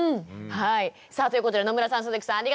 はいさあということで野村さん鈴木さんありがとうございました。